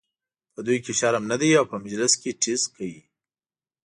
په دوی کې شرم نه دی او په مجلس کې ټیز کوي.